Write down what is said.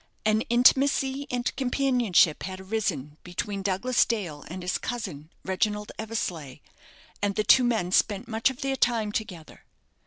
An intimacy and companionship had arisen between Douglas Dale and his cousin, Reginald Eversleigh, and the two men spent much of their time together.